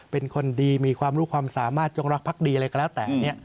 เป็นคนดีมีความรู้ความสามารถจงรักภักดีอะไรก็แล้วแต่